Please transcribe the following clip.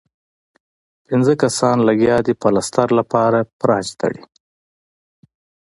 پنځۀ کسان لګيا دي پلستر لپاره پرانچ تړي